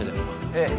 ええ。